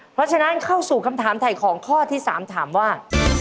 เพราะฉะนั้นเข้าสู่คำถามถ่ายของข้อที่๓ถามว่า